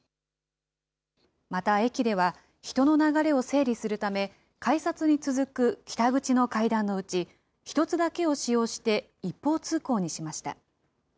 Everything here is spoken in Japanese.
また、駅では人の流れを整理するため、改札に続く北口の階段のうち、１つだけを使用して一方通行にしました。